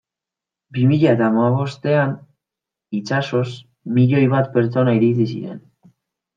Bi mila eta hamabostean itsasoz milioi bat pertsona iritsi ziren.